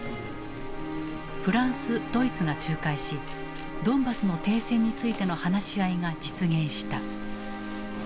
フランスドイツが仲介しドンバスの停戦についての話し合いが実現した。